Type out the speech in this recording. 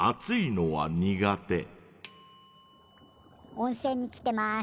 「温泉に来てます」